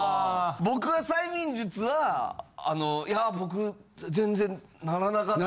僕は催眠術は「いや僕全然ならなかった」